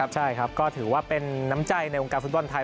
ใช่ครับก็ถือว่าเป็นน้ำใจในวงการฟุตบอลไทย